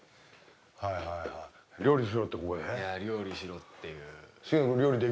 いや料理しろっていう。